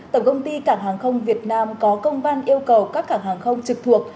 tổng công ty cảng hàng không việt nam có công văn yêu cầu các cảng hàng không trực thuộc